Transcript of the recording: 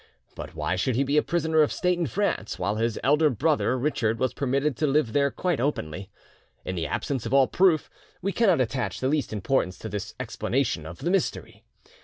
But why should he be a prisoner of state in France, while his elder brother Richard was permitted to live there quite openly? In the absence of all proof, we cannot attach the least importance to this explanation of the mystery.